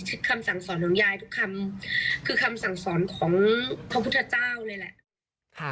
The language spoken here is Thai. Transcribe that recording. คำสั่งสอนของยายทุกคำคือคำสั่งสอนของพระพุทธเจ้าเลยแหละ